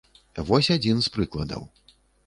Вось адзін з прыкладаў.